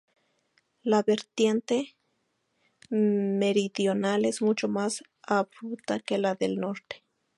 La vertiente meridional es mucho más abrupta que la del norte.